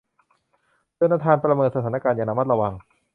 โจนาธานประเมินสถานการณ์อย่างระมัดระวัง